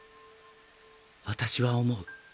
私は思う。